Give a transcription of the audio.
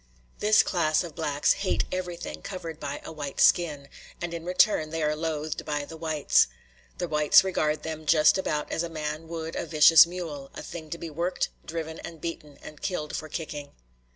This class of blacks hate everything covered by a white skin, and in return they are loathed by the whites. The whites regard them just about as a man would a vicious mule, a thing to be worked, driven, and beaten, and killed for kicking.